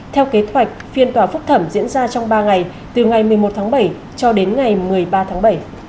theo kế hoạch phiên tòa phúc thẩm diễn ra trong ba ngày từ ngày một mươi một tháng bảy cho đến ngày một mươi ba tháng bảy